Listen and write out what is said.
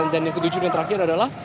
dan yang ketujuh dan terakhir adalah